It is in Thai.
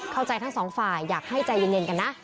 เข้าใจทั้งสองฝ่ายอยากให้ใจเย็นกันนะ